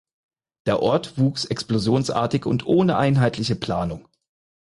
Der Ort wuchs explosionsartig und ohne einheitliche Planung.